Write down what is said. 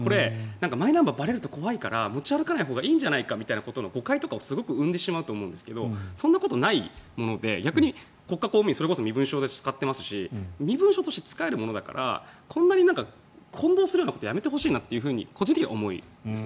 マイナンバーばれると怖いから持ち歩かないほうがいいんじゃないかみたいなことの誤解とかを生むと思うんですがそんなことないもので逆に国家公務員それこそ身分証で使っていますし身分証として使えるものだから混同するようなことはやめてほしいなと個人的には思います。